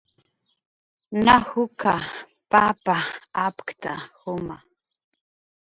najukha papa apkta juma